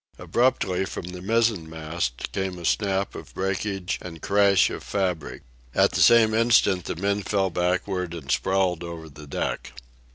Abruptly, from the mizzen mast, came a snap of breakage and crash of fabric. At the same instant the men fell backward and sprawled over the deck.